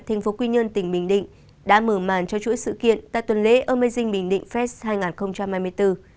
thành phố quy nhơn tỉnh bình định đã mở màn cho chuỗi sự kiện tại tuần lễ amazing bình định fest hai nghìn hai mươi bốn